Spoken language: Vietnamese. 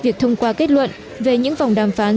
việc thông qua kết luận về những vòng đàm phán